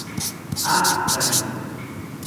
A. Robinson.